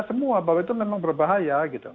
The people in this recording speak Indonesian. semua bahwa itu memang berbahaya gitu